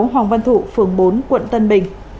hai trăm linh sáu hoàng văn thụ phường bốn quận tân bình